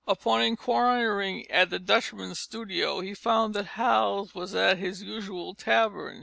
Upon inquiring at the Dutchman's studio, he found that Hals was at his usual tavern.